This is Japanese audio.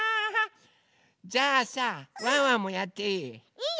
じゃあさワンワンもやっていい？